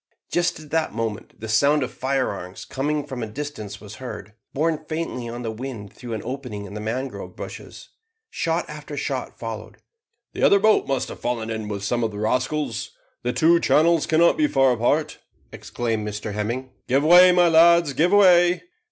Just at that moment the sound of firearms coming from a distance was heard, borne faintly on the wind through an opening in the mangrove bushes. Shot after shot followed. "The other boat must have fallen in with some of the rascals; the two channels cannot be far apart," exclaimed Mr Hemming. "Give way, my lads, give way."